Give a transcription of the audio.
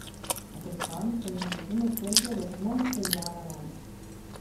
Aquest pont és només un exemple dels molts que hi ha a la vall.